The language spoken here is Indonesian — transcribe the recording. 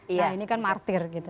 nah ini kan martir gitu